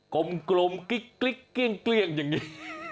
กลมกลมกลริกเกลี่ยงอย่างนี้